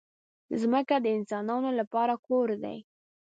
ځمکه د انسانانو لپاره کور دی.